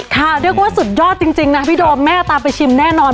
เรียกว่าสุดยอดจริงนะพี่โดมแม่ตามไปชิมแน่นอน